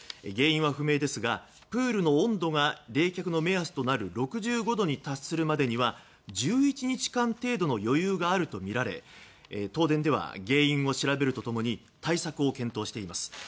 原因は不明ですがプールの温度が冷却の目安となる６５度に達するまでには１１日間程度の余裕があるとみられ東電では原因を調べるとともに対策を検討しています。